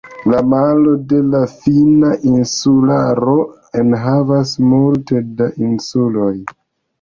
La Maro de la Finna Insularo enhavas multe da insuloj.